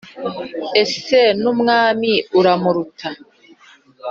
ese n' umwami uramuruta